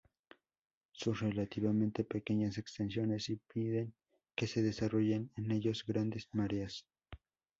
Sus relativamente pequeñas extensiones impiden que se desarrollen en ellos grandes mareas.